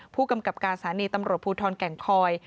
ผู้กำกับการสถานีตำรวจภูทรแก่งคอย